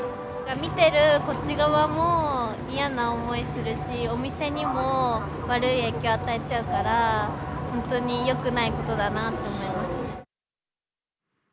見てるこっち側も嫌な思いするし、お店にも悪い影響を与えちゃうから、本当によくないことだなって思いますね。